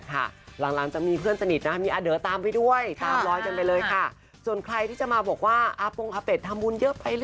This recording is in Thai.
ความสุขของเขา